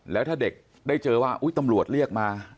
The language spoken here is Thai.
แล้วถ้าเด็กได้เจอว่าตำรวจเรียกมา